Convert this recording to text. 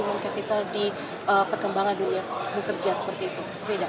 memang capital di perkembangan dunia bekerja seperti itu